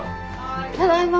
ただいま。